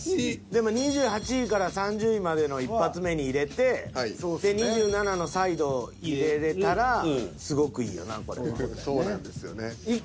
でも２８位３０位までの１発目に入れてで２７のサイド入れれたらすごくいいよなこれは。そうなんですよね。